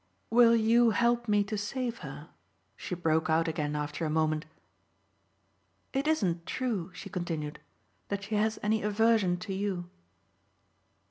Will you help me to save her?" she broke out again after a moment. "It isn't true," she continued, "that she has any aversion to you."